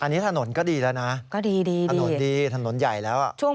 อันนี้ถนนก็ดีแล้วนะ